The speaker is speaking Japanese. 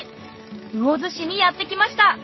魚津市にやって来ました